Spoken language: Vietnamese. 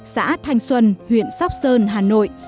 xã thanh xuân huyện sóc sơn hà nội